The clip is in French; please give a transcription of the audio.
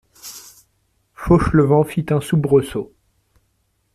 Fauchelevent fit un soubresaut.